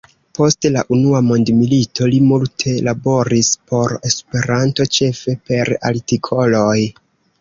Post la Unua mondmilito li multe laboris por Esperanto, ĉefe per artikoloj.